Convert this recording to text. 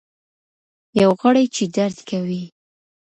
یو غړی چي درد کوي.